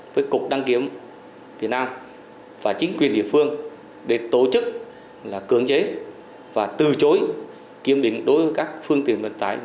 với cục đăng kiếm việt nam và chính quyền địa phương để tổ chức cưỡng chế và từ chối kiếm định đối với các phương tiện